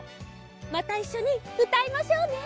またいっしょにうたいましょうね。